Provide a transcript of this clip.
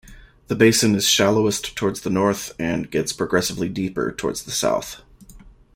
The basin is shallowest towards the north and gets progressively deeper towards the south.